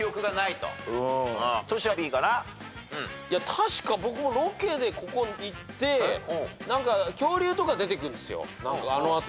確か僕もロケでここ行って恐竜とか出てくるんですよ。